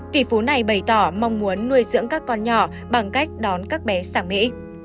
tỷ phú này bày tỏ mong muốn nuôi dưỡng các con nhỏ bằng cách đón các bé sang mỹ